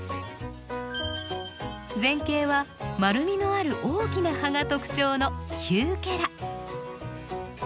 前景は丸みのある大きな葉が特徴のヒューケラ。